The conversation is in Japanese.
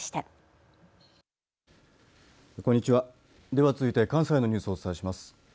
では続いて関西のニュースをお伝えします。